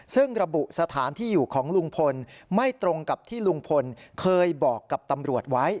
ซึ่งระบุสถานที่อยู่ของลุงพลไม่ตรงกับที่ลุงพลเคยบอกกับตำรวจไว้